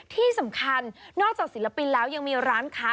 ที่สำคัญนอกจากศิลปินแล้วยังมีร้านค้า